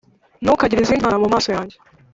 Ntukagire izindi mana mu maso yanjye